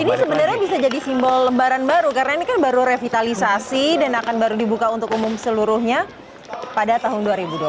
ini sebenarnya bisa jadi simbol lembaran baru karena ini kan baru revitalisasi dan akan baru dibuka untuk umum seluruhnya pada tahun dua ribu dua puluh